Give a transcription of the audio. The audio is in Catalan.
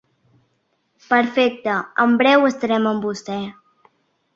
Perfecte, en breu estarem amb vostè.